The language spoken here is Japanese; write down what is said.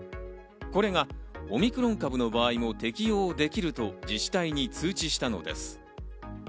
これがオミクロン株の場合も適用できると自治体に通知したのです。